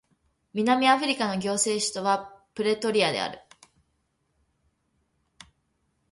南アフリカの行政首都はプレトリアである